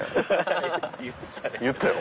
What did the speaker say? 言ったよ？